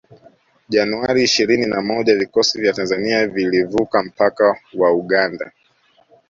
Januari ishirini na moja vikosi vya Tanzania vilivuka mpaka wa Uganda